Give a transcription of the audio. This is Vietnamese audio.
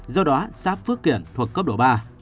do đó xã phước kiển thuộc cấp độ ba